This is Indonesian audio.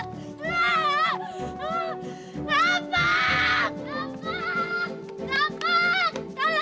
apa tilda ngasih alamatnya yang salah ya